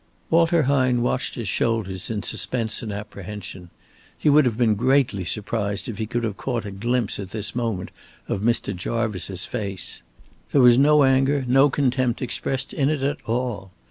Walter Hine watched his shoulders in suspense and apprehension. He would have been greatly surprised if he could have caught a glimpse at this moment of Mr. Jarvice's face. There was no anger, no contempt, expressed in it at all.